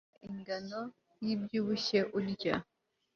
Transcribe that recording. ugomba kugabanya ingano yibyibushye urya